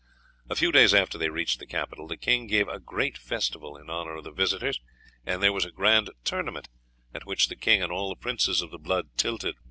A few days after they reached the capital the king gave a great festival in honour of the visitors, and there was a grand tournament at which the king and all the princes of the blood tilted.